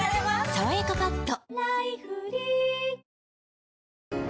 「さわやかパッド」